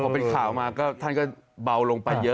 พอเป็นข่าวมาก็ท่านก็เบาลงไปเยอะ